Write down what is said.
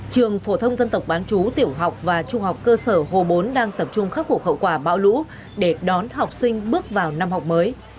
trường phổ thông dân tộc bán chú tiểu học và trung học cơ sở hồ bốn đang tập trung khắc phục hậu quả bão lũ để đón học sinh bước vào năm học mới